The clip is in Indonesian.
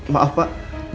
lain kali ya pak